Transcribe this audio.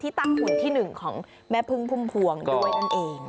ที่ตั้งหุ่นที่หนึ่งของแม่เพิงพุ่มพวงด้วยนั่นเอง